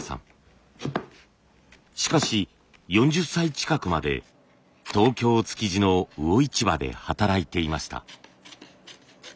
しかし４０歳近くまで東京・築地の魚市場で働いていました。